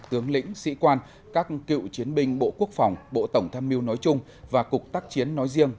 tướng lĩnh sĩ quan các cựu chiến binh bộ quốc phòng bộ tổng tham mưu nói chung và cục tác chiến nói riêng